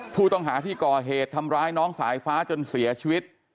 ผู้ต้องหาที่ก่อเหตุทำร้ายน้องสายฟ้าจนเสียชีวิต